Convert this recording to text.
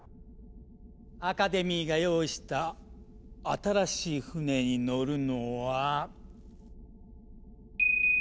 アカデミーが用意した新しい船に乗るのは。